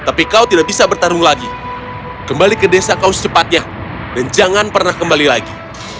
tapi kau tidak bisa bertarung lagi kembali ke desa kau secepatnya dan jangan pernah kembali lagi